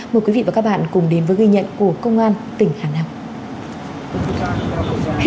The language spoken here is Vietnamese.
mời quý vị và các bạn cùng đến với ghi nhận của công an tỉnh hà nam